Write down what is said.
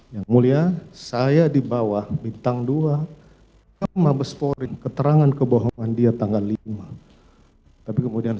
yang mulia saya dibawa bintang dua maaf besporin keterangan kebohongan dia tanggal lima tapi kemudian